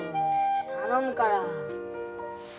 頼むから。